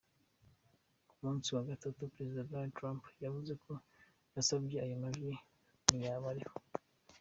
Ku musi wa gatatu, prezida Donald Trump yavuze ko yasavye ayo majwi "niyaba ariho".